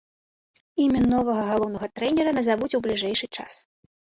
Імя новага галоўнага трэнера назавуць у бліжэйшы час.